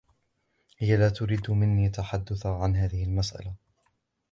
هي لا تريد مني التحدث عن هذه المسألة.